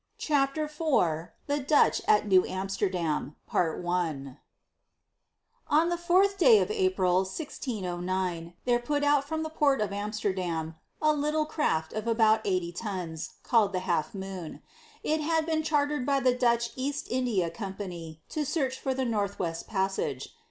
CHAPTER IV THE DUTCH AT NEW AMSTERDAM On the fourth day of April, 1609, there put out from the port of Amsterdam a little craft of about eighty tons, called the Half Moon. It had been chartered by the Dutch East India Company to search for the Northwest Passage.